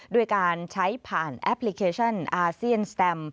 ด้วยการใช้ผ่านแอปพลิเคชันอาเซียนสแตม